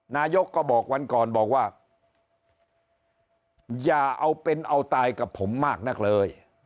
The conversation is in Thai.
นายกก็บอกวันก่อนบอกว่าอย่าเอาเป็นเอาตายกับผมมากนักเลย